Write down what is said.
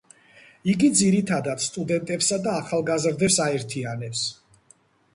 იგი ძირითადად სტუდენტებსა და ახალგაზრდებს აერთიანებს.